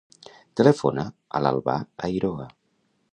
Telefona a l'Albà Eiroa.